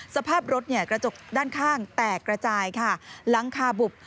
สภาพรถกระจกด้านข้างแตกระจายค่ะหลังคาบุบ